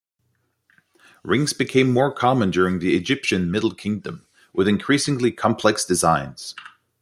Rings became more common during the Egyptian middle kingdom, with increasingly complex designs.